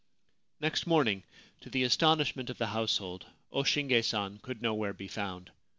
Next morning, to the astonishment of the household, O Shinge San could nowhere be found.